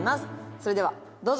それではどうぞ。